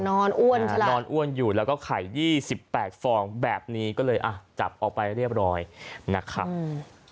นอนอ้วนอยู่แล้วก็ไข่๒๘ฟองแบบนี้ก็เลยจับออกไปเรียบร้อยนะครับ